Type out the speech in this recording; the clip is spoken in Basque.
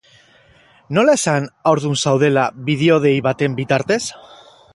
Nola esan haurdun zaudela bideodei baten bitartez?